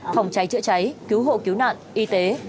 phòng cháy chữa cháy cứu hộ cứu nạn y tế